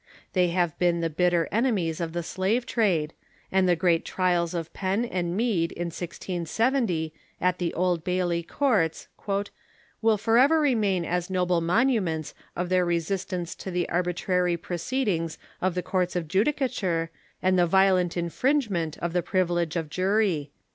They have been the bitter enemies of the slave trade, and the great trials of Penn and Mead in lOVO at the Old Bailey courts " will forever remain as noble monuments of their resistance to the arbitrary pro ceedings of the courts of judicature and the violent infringe ment of the privilege of jury."